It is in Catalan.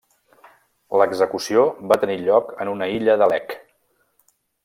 L'execució va tenir lloc en una illa del Lech.